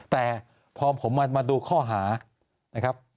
แต่พอผมมาดูข้อหานะครับ